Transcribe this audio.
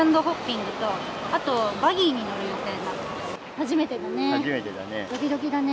初めてだね。